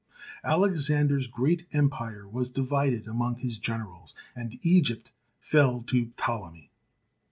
Alexander's great empire was divided among his generals, and Egypt fell to Ptolemy.